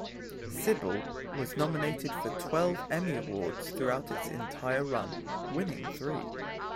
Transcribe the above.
"Cybill" was nominated for twelve Emmy Awards throughout its entire run, winning three.